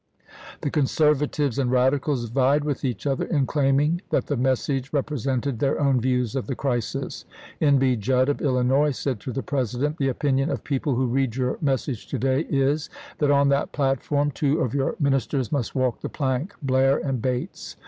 The conservatives and radicals vied with each other in claiming that the message rep resented their own views of the crisis. N. B. Judd of Illinois said to the President :" The opinion of people who read your message to day is, that on that platform two of your ministers must walk the plank — Blair and Bates."